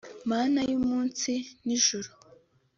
Mana yo munsi n’ijuru